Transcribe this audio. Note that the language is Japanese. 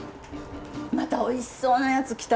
またおいしそうなやつ来た！